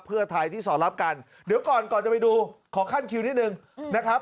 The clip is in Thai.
เพื่อไทยที่สอดรับกันเดี๋ยวก่อนก่อนจะไปดูขอขั้นคิวนิดนึงนะครับ